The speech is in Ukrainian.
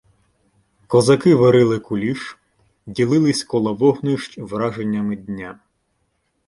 Козаки варили куліш, ділились коло вогнищ враженнями дня.